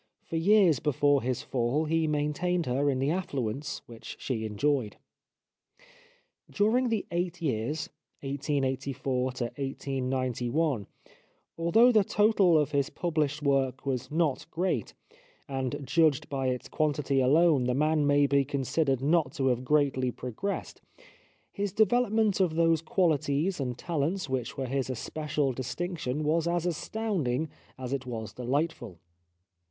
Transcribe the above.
For years before his fall he maintained her in the affluence which she enjoyed. During the eight years 1884 1891, although the total of his published work was not great, and judged by its quantity alone the man may be considered not to have greatly progressed, his development of those qualities and talents which were his especial distinction was as astounding as it was delightful.